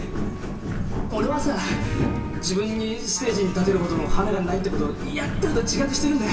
俺はさ自分にステージに立てるほどの華がないって事嫌ってほど自覚してるんだよ。